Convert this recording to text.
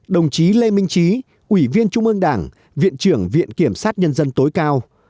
đồng chí lê minh trí ủy viên trung ương đảng viện trưởng viện kiểm sát nhân dân tối cao